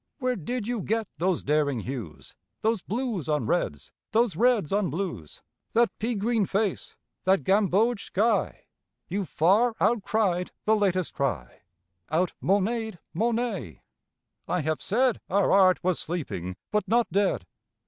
Where did you get those daring hues, Those blues on reds, those reds on blues? That pea green face, that gamboge sky? You've far outcried the latest cry— Out Monet ed Monet. I have said Our Art was sleeping, but not dead.